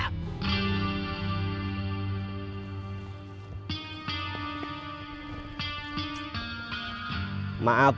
kamu sudah mengingatkan saya